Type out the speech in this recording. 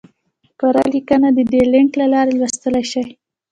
پوره لیکنه د دې لینک له لارې لوستی شئ!